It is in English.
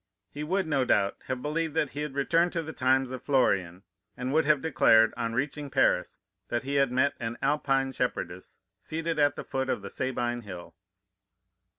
He would, no doubt, have believed that he had returned to the times of Florian, and would have declared, on reaching Paris, that he had met an Alpine shepherdess seated at the foot of the Sabine Hill.